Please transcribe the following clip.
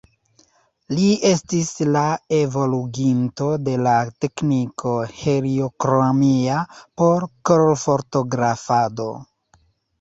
Li estis la evoluginto de la tekniko heliokromia por kolorfotografado.